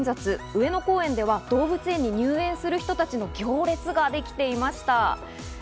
上野公園では動物園に入園する人たちの行列ができていました。